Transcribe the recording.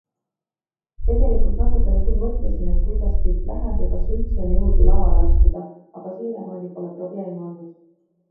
Tegelikult natukene küll mõtlesin, et kuidas kõik läheb ja kas üldse on jõudu lavale astuda, aga siiamaani pole probleeme olnud.